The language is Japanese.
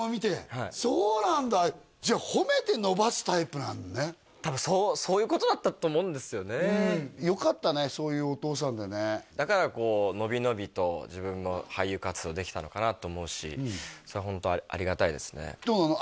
はいそうなんだじゃあ褒めて伸ばすタイプなんだね多分そういうことだったと思うんですよねよかったねそういうお父さんでねだからこう伸び伸びと自分も俳優活動できたのかなと思うしそれはホントありがたいですねどうなの？